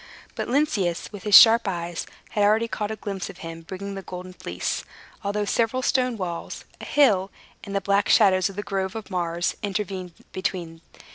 But Lynceus, with his sharp eyes, had already caught a glimpse of him, bringing the Golden Fleece, although several stone walls, a hill, and the black shadows of the Grove of Mars, intervened between.